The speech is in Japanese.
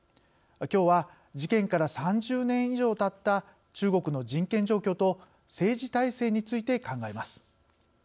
きょうは事件から３０年以上たった中国の人権状況と政治体制について考えます。